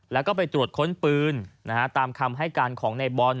แล้วก็ไปตรวจค้นปืนตามคำให้การของในบอล